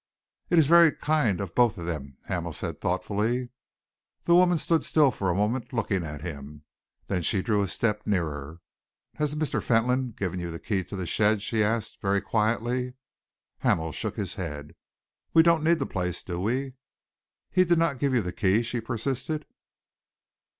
"It is very kind of both of them," Hamel said thoughtfully. The woman stood still for a moment, looking at him. Then she drew a step nearer. "Has Mr. Fentolin given you the key of the shed?" she asked, very quietly. Hamel shook his head. "We don't need the place, do we?" "He did not give you the key?" she persisted.